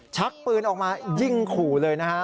ชักปืนออกมายิงขู่เลยนะฮะ